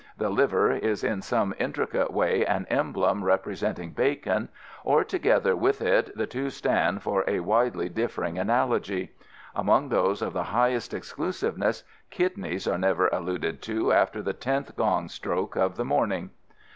The liver is in some intricate way an emblem representing bacon, or together with it the two stand for a widely differing analogy. Among those of the highest exclusiveness kidneys are never alluded to after the tenth gong stroke of the morning."